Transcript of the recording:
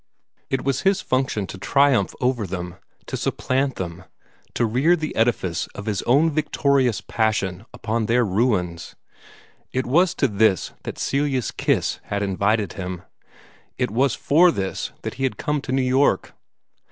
It was his function to triumph over them, to supplant them, to rear the edifice of his own victorious passion upon their ruins. It was to this that Celia's kiss had invited him. It was for this that he had come to New York.